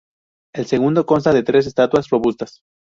El segundo consta de tres estatuas robustas.